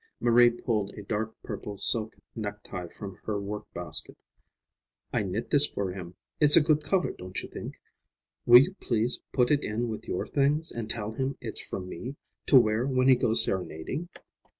Marie pulled a dark purple silk necktie from her workbasket. "I knit this for him. It's a good color, don't you think? Will you please put it in with your things and tell him it's from me, to wear when he goes serenading."